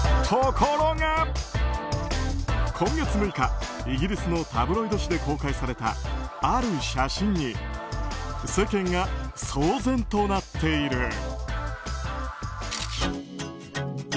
ところが、今月６日イギリスのタブロイド紙で公開されたある写真に世間が騒然となっている。